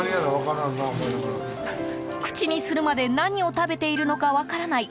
口にするまで何を食べているのか分からない